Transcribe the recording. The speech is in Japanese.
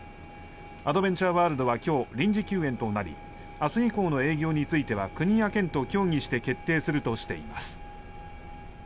アドベンチャーワールドは今日臨時休園となり明日以降の営業については国や県と協議して決定するとしています。